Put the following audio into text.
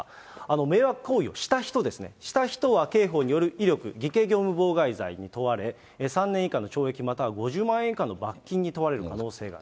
迷惑行為をした人ですね、した人は、刑法による威力・偽計業務妨害罪に問われ、３年以下の懲役または５０万円以下の罰金に問われる可能性がある。